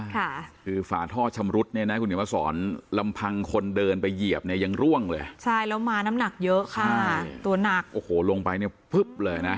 ขอบคุณครับขอบคุณครับ